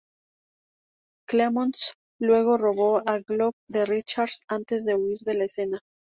Clemmons luego robó la Glock de Richards antes de huir de la escena.